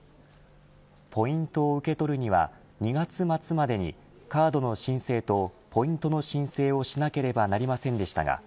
ポイントを受け取るには２月末までにカードの申請とポイントの申請をしなければなりませんでしたか